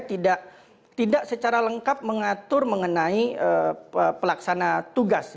tidak secara lengkap mengatur mengenai pelaksana tugas